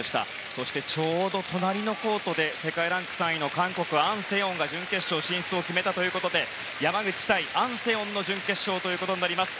そしてちょうど隣のコートで世界ランク３位の韓国のアン・セヨンが準決勝進出を決めたということで山口対アン・セヨンの準決勝ということになります。